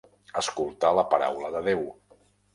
Escoltar la paraula de Déu.